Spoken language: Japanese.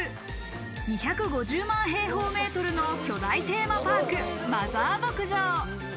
２５０万平方メートルの巨大テーマパーク、マザー牧場。